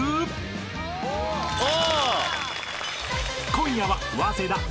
［今夜は］